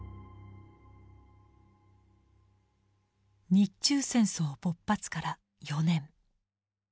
日中戦争勃発から４年。